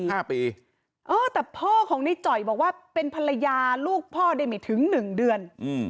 แต่พ่อของนายจอยบอกว่าเป็นภรรยาลูกพ่อได้ไม่ถึง๑เดือน